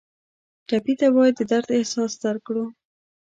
ټپي ته باید د درد احساس درکړو.